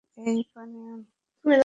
এই, পানি আন।